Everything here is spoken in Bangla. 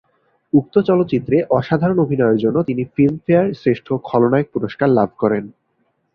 উক্ত চলচ্চিত্রে অসাধারণ অভিনয়ের জন্য তিনি ফিল্মফেয়ার শ্রেষ্ঠ খল-নায়ক পুরস্কার লাভ করেন।